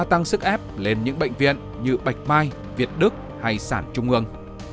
trình đáp áp lên những bệnh viện như bạch mai việt đức hay sản trung ương